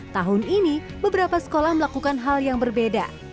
tahun ini beberapa sekolah melakukan hal yang berbeda